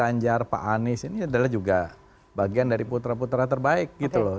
pak ganjar pak anies ini adalah juga bagian dari putra putra terbaik gitu loh